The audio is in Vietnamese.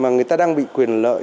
người ta đang bị quyền lợi